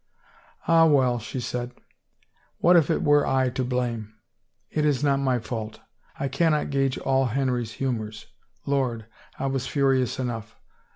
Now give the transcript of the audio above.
" Ah, well," she said, " what if it were I to blame — it is not my fault. I cannot gauge all Henry's humors. Lord, I was iurious enough.